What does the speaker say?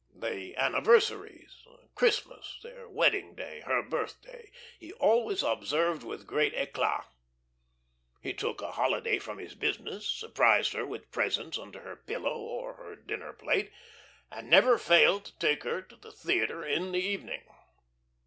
The anniversaries Christmas, their wedding day, her birthday he always observed with great eclat. He took a holiday from his business, surprised her with presents under her pillow, or her dinner plate, and never failed to take her to the theatre in the evening.